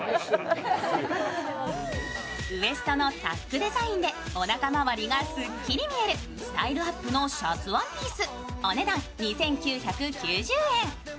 ウエストのタックデザインでおなか周りがすっきり見えるスタイルアップのシャツワンピース。